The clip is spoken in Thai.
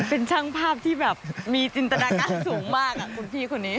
เป็นช่างภาพที่แบบมีจินตนาการสูงมากคุณพี่คนนี้